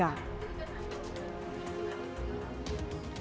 dari mana kementerian terlibat